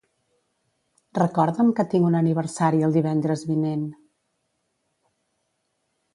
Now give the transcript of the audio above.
Recorda'm que tinc un aniversari el divendres vinent.